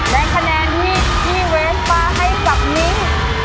และคะแนนที่พี่เว้นป้าให้กับนิ้ง